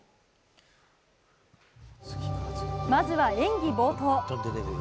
まずは演技冒頭。